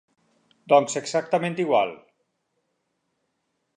Doncs exactament igual.